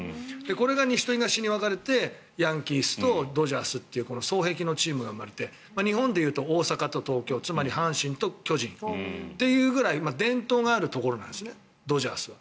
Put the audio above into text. これが西と東に分かれてヤンキースとドジャースという双璧のチームが生まれて日本でいうと大阪と東京つまり阪神と巨人っていうくらい伝統があるところなんですねドジャースは。